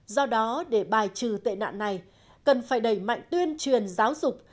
do đó để bài trừ tệ nạn này cần phải đẩy mạnh tuyên truyền giáo dục